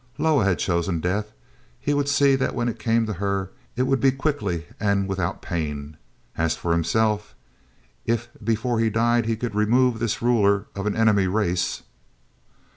Loah had chosen death; he would see that when it came to her, it would be quickly and without pain. And as for himself, if before he died he could remove this ruler of an enemy race....